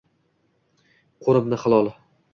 Qo’nibdi hilol.